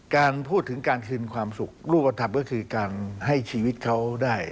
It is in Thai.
การพูดถึงการคืนความสุขรูปธรรมก็คือการให้ชีวิตเขาได้